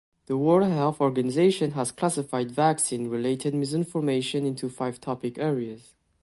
The World Health Organization has classified vaccine related misinformation into five topic areas.